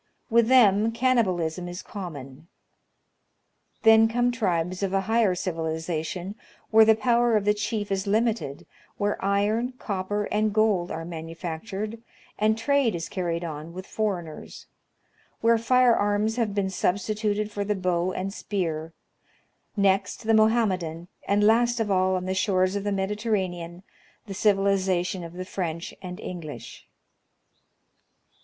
With them, cannibalism is common. Then come tribes of a higher civiliza tion, where the power of the chief is limited, where iron, copper, and gold are manufactured, and trade is carried on with foreigners. 112 National Qeograjpliic Magazine. where fire arms have been substituted for the bow and spear ; next the Mohammedan ; and last of all, on the shores of the Mediterranean, the civilization of the French and English.